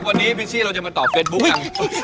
วันนี้พิชชี่เราจะมาตอบเฟซบุ๊ค